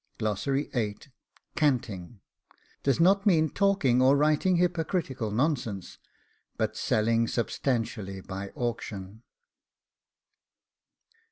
CANTING Does not mean talking or writing hypocritical nonsense, but selling substantially by auction.